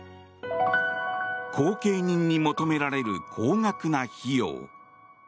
後見人に求められる高額な費用。